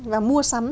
và mua sắm